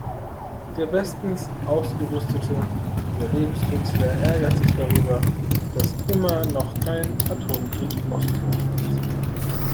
Der bestens ausgerüstete Überlebenskünstler ärgert sich darüber, dass immer noch kein Atomkrieg ausgebrochen ist.